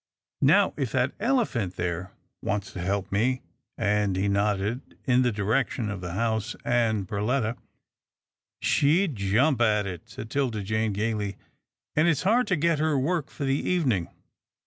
Now if that elephant there wants to help me," and he nodded in the direction of the house and Perletta. " She'd jump at it," said 'Tilda Jane gaily, " and it's hard to get her work for the evening.